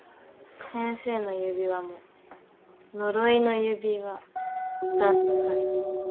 先生の指輪も「呪いの指輪」だったりして。